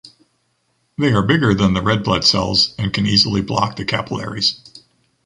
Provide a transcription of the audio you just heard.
They are bigger than the red blood cells and can easily block the capillaries.